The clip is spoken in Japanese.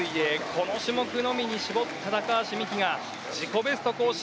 この種目のみに絞った高橋美紀が自己ベスト更新。